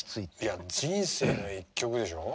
いや人生の一曲でしょ。